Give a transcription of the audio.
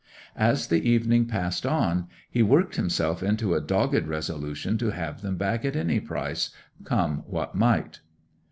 As the evening passed on he worked himself into a dogged resolution to have them back at any price, come what might.